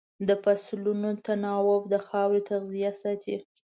د فصلونو تناوب د خاورې تغذیه ساتي.